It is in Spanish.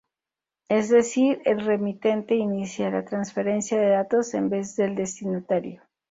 Es decir, el remitente inicia la transferencia de datos, en vez del destinatario.